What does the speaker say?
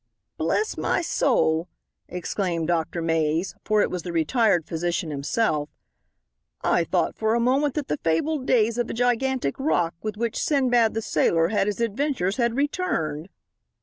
"Bless my soul," exclaimed Dr. Mays, for it was the retired physician himself, "I thought for a moment that the fabled days of the gigantic Roc, with which Sinbad the sailor had his adventures, had returned.